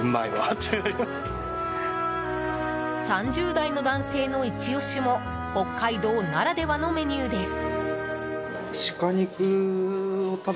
３０代の男性のイチ押しも北海道ならではのメニューです。